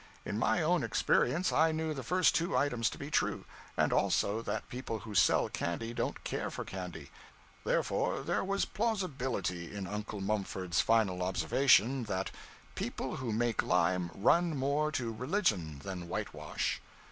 In my own experience I knew the first two items to be true; and also that people who sell candy don't care for candy; therefore there was plausibility in Uncle Mumford's final observation that 'people who make lime run more to religion than whitewash.'